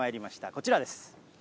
こちらです。